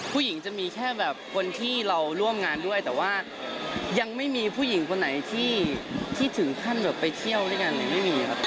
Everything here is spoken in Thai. ผู้หญิงจะมีแค่แบบคนที่เราร่วมงานด้วยแต่ว่ายังไม่มีผู้หญิงคนไหนที่ถึงขั้นแบบไปเที่ยวด้วยกันไม่มีครับ